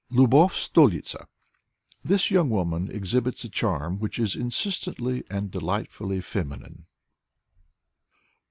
Lubov Stolitza This youDg woman poet exhibits a charm which is insistently and delightfully feminine.